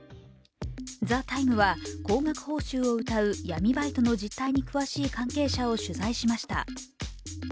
「ＴＨＥＴＩＭＥ，」は高額報酬をうたう闇バイトの実態に詳しい関係者を取材しました。